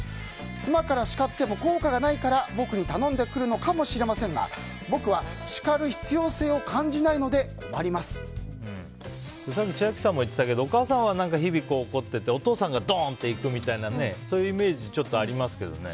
妻から叱っても効果がないから僕に頼んでくるのかもしれませんが僕は叱る必要性を感じないのでさっき千秋さんも言ってたけどお母さんは日々怒っててお父さんがドーンっていくみたいなイメージちょっとありますけどね。